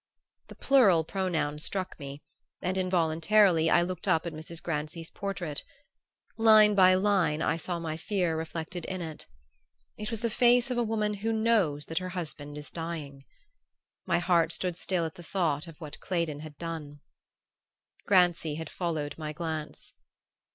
The plural pronoun struck me, and involuntarily I looked up at Mrs. Grancy's portrait. Line by line I saw my fear reflected in it. It was the face of a woman who knows that her husband is dying. My heart stood still at the thought of what Claydon had done. Grancy had followed my glance.